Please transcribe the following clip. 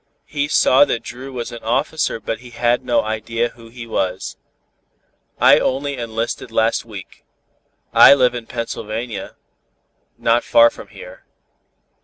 He saw that Dru was an officer but he had no idea who he was. "I only enlisted last week. I live in Pennsylvania not far from here."